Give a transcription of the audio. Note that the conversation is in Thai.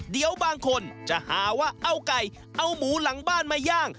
เดี๋ยวบางคนจะหาว่าเอาไก่เอาหมูหลังบ้านมาย่าง